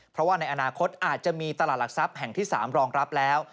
เพราะว่าในอนาคตอาจจะมีตลาดหลักทรัพย์แห่งที่๓รองรับแล้ว